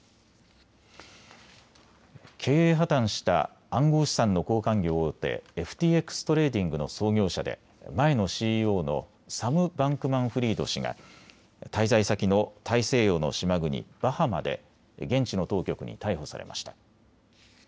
経営破綻した暗号資産の交換業大手、ＦＴＸトレーディングの創業者で前のＣＥＯのサム・バンクマンフリード氏が滞在先の大西洋の島国バハマで現地の当局に逮捕されました。